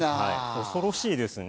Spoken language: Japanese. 恐ろしいですね。